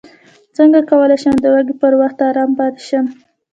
څنګه کولی شم د وږي پر وخت ارام پاتې شم